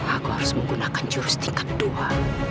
aku harus menggunakan jurus tingkat dua